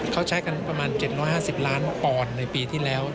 เขาใช้กันประมาณ๗๕๐ล้านปอนด์ในปีที่แล้ว